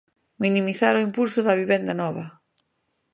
Minimizar o impulso da vivenda nova.